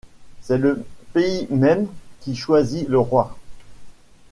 C’est le pays même qui choisit le roi.